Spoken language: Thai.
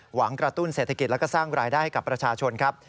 กระตุ้นเศรษฐกิจแล้วก็สร้างรายได้ให้กับประชาชนครับ